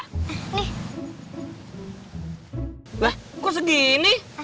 lah kok segini